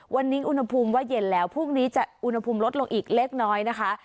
วันนี้อุณหภูมิว่าเย็นแล้วพรุ่งนี้จะอุณหภูมิลดลงอีกเล็กน้อยนะคะ